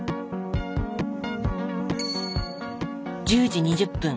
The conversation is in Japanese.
１０時２０分。